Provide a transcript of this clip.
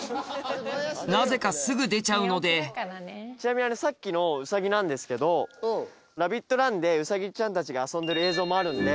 なぜかすぐ出ちゃうのでちなみにさっきのウサギなんですけどラビットランでウサギちゃんたちが遊んでる映像もあるんで。